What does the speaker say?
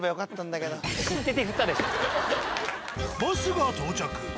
バスが到着。